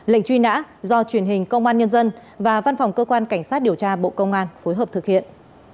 lệnh truy nã do truyền hình công an nhân dân và văn phòng cơ quan cảnh sát điều tra bộ công an phối hợp thực hiện